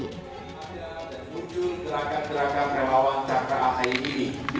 dan muncul gerakan gerakan relawan cakra ahai ini